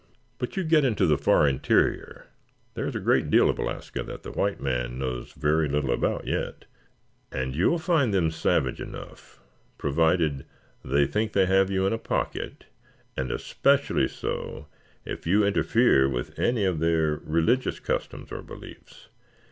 But you get into the far interior there is a great deal of Alaska that the white man knows very little about yet and you will find them savage enough, provided they think they have you in a pocket, and especially so if you interfere with any of their religious customs or beliefs.